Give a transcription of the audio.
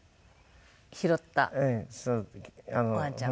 拾ったワンちゃん。